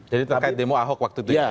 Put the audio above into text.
jadi terkait demo ahok waktu itu ya